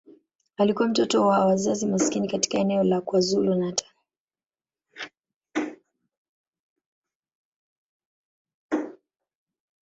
Alikuwa mtoto wa wazazi maskini katika eneo la KwaZulu-Natal.